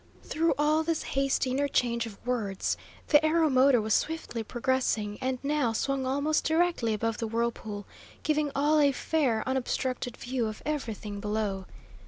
Through all this hasty interchange of words, the aeromotor was swiftly progressing, and now swung almost directly above the whirlpool, giving all a fair, unobstructed view of everything below.